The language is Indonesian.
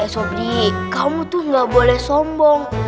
sobri kamu tuh gak boleh sombong